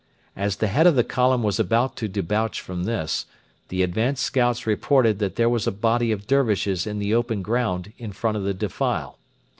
As the head of the column was about to debouch from this, the advanced scouts reported that there was a body of Dervishes in the open ground in front of the defile.